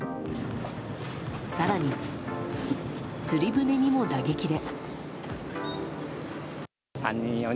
更に釣り船にも打撃で。